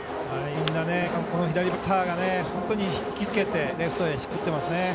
みんな、左バッターが本当に引き付けて、レフトへしっかりと打ってますね。